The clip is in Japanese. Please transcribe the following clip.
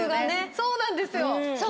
そうなんですよ。